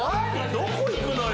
どこ行くのよ。